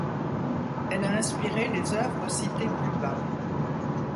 Elle a inspiré les œuvres citées plus bas.